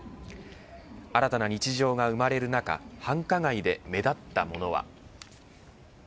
新たな日常が生まれる中繁華街で目立ったものは。